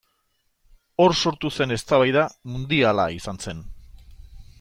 Hor sortu zen eztabaida mundiala izan zen.